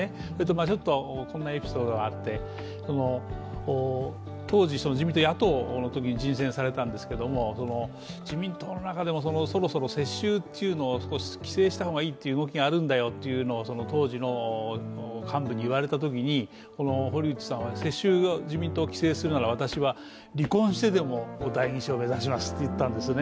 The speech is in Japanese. ちょっとこんなエピソードがあって当時、自民党、野党のときに人選されたんですけれども自民党の中でもそろそろ世襲というのを規制した方がいいという動きがあるというのを当時の幹部に言われたときに堀内さんは、世襲を規制するなら私は離婚してでも代議士を目指しますと言ったんですね。